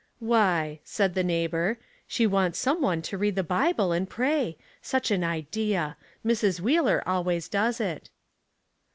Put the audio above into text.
'' Why," said the neighbor, " she wants some one to read in the Bible and pray. Such an ideal Mrs. Wheeler always does it."